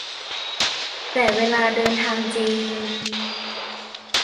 แต่เวลาเดินทางจริง